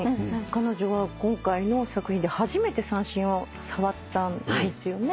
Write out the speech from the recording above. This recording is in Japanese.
彼女は今回の作品で初めて三線を触ったんですよね？